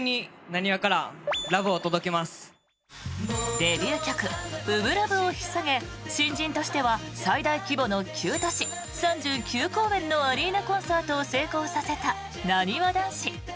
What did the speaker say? デビュー曲「初心ＬＯＶＥ」をひっさげ新人としては最大規模の９都市３９公演のアリーナコンサートを成功させたなにわ男子。